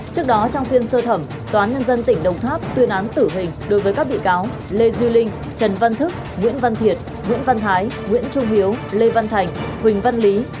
trước đó trong phiên sơ thẩm toán nhân dân tỉnh đồng tháp tuyên án tử hình đối với các bị cáo lê duy linh trần văn thức nguyễn văn thiệt nguyễn văn thái nguyễn trung hiếu lê văn thành huỳnh văn lý